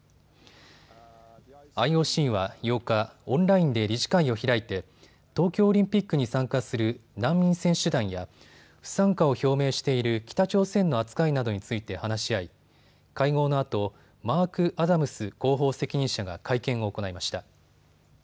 ＩＯＣは８日、オンラインで理事会を開いて東京オリンピックに参加する難民選手団や不参加を表明している北朝鮮の扱いなどについて話し合い会合のあとマーク・アダムス広報責任者が会見を行いました。